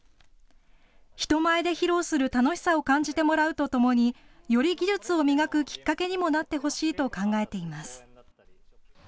人前で披露する楽しさを感じてもらうとともにより技術を磨くきっかけにもなってほしいと考えています。